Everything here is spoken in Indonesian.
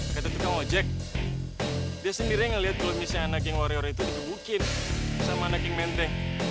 kata tukang ojek dia sendiri yang ngeliat kalo misalnya naging warior itu digebukin sama naging menteng